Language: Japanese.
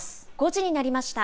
５時になりました。